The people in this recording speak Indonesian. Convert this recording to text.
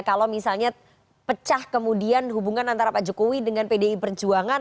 kalau misalnya pecah kemudian hubungan antara pak jokowi dengan pdi perjuangan